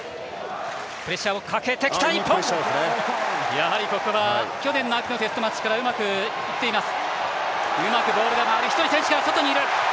やはり、ここは去年の秋のテストマッチからうまくいっています。